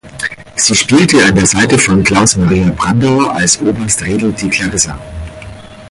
Sie spielte an der Seite von Klaus Maria Brandauer als Oberst Redl die Clarissa.